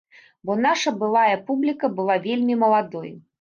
Бо наша былая публіка была вельмі маладой.